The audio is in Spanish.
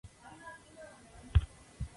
Sharp nació en Denmark Hill, Londres.